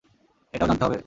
এটাও জানতে হবে?